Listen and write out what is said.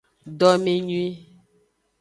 Domenyui.